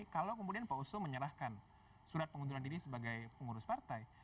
kalau kemudian pak oso menyerahkan surat pengunduran diri sebagai pengurus partai